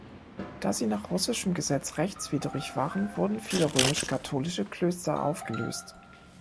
Da sie nach russischem Gesetz rechtswidrig waren, wurden viele römisch-katholische Klöster aufgelöst.